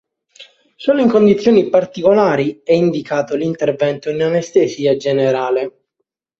Solo in condizioni particolari è indicato l'intervento in anestesia generale.